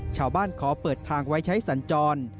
ชาวบ้านขอเปิดทางไว้ใช้สัญจร